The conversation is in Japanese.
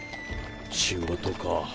仕事か。